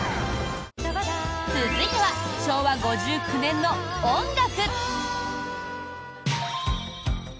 続いては、昭和５９年の音楽！